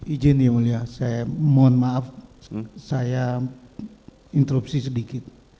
ijin ya mulia saya mohon maaf saya interupsi sedikit